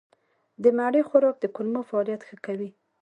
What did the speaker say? د مڼې خوراک د کولمو فعالیت ښه کوي.